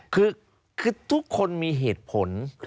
คือทุกคนมีเหตุผล